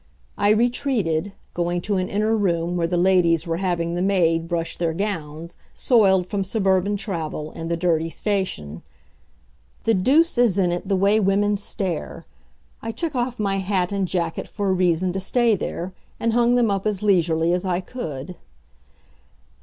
I retreated, going to an inner room where the ladies were having the maid brush their gowns, soiled from suburban travel and the dirty station. The deuce is in it the way women stare. I took off my hat and jacket for a reason to stay there, and hung them up as leisurely as I could.